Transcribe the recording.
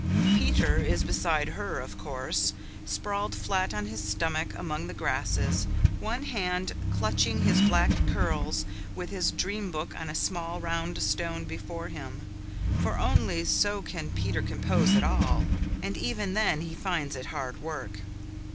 Peter is beside her, of course, sprawled flat on his stomach among the grasses, one hand clutching his black curls, with his dream book on a small, round stone before him for only so can Peter compose at all, and even then he finds it hard work.